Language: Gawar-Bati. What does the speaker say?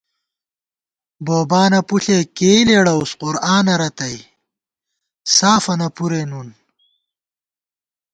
بوبانہ پُݪے کېئ لېڑَوُس قرآنہ رتئ، سافَنہ پُرے نُن